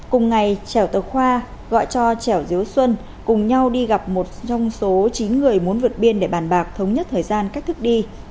cùng ngày trèo tờ khoa gọi cho trẻo diếu xuân cùng nhau đi gặp một trong số chín người muốn vượt biên để bàn bạc thống nhất thời gian cách thức đi